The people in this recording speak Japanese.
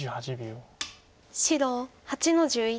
白８の十一。